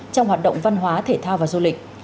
trong hoạt động văn hóa thể thao và du lịch